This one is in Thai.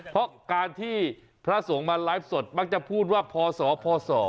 เพราะการที่พระสงฆ์มาไลฟ์สดมักจะพูดว่าพศพศ